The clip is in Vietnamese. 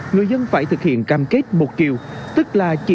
người dân phải thực hiện cam kết một kiểu tức là chỉ